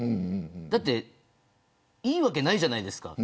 だっていいわけないじゃないですか。